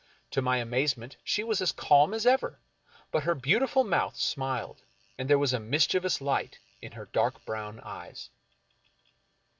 To my amaze ment she was as calm as ever, but her beautiful mouth smiled, and there was a mischievous light in her dark brown eyes.